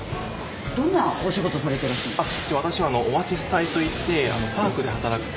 どんなお仕事をされてらっしゃるんですか？